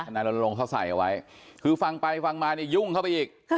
นายรณรงค์เขาใส่เอาไว้คือฟังไปฟังมาเนี่ยยุ่งเข้าไปอีก